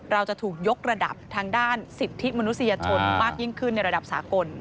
เราจะถูกยกระดับทางด้านสิทธิมนุษยชนมากยิ่งขึ้นในระดับสากล